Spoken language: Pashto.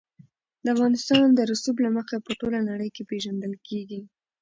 افغانستان د رسوب له مخې په ټوله نړۍ کې پېژندل کېږي.